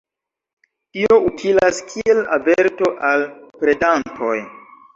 Tio utilas kiel averto al predantoj.